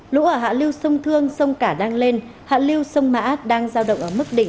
lũ ở hạ lưu sông thương sông cả đang lên hạ lưu sông mã đang giao động ở mức đỉnh